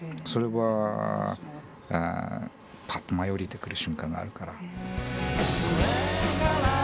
それはパッと舞い降りてくる瞬間があるから。